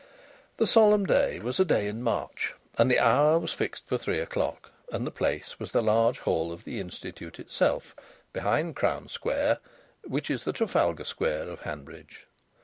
The solemn day was a day in March, and the hour was fixed for three o'clock, and the place was the large hall of the Institute itself, behind Crown Square, which is the Trafalgar Square of Hanbridge.